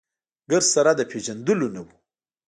ګرد سره د پېژندلو نه و.